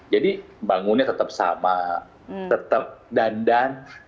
bangunnya tetap sama tetap dandan